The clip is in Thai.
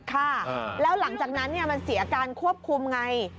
ค่ะแล้วหลังจากนั้นมันเสียการควบคุมไง